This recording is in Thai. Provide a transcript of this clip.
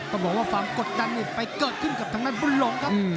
ต้องบอกว่าความกดดันนี่ไปเกิดขึ้นกับทางด้านบุญหลงครับ